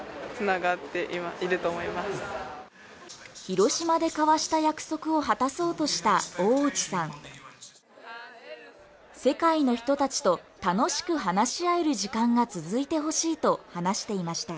広島で交わした約束を果たそうとした大内さん世界の人達と楽しく話し合える時間が続いてほしいと話していました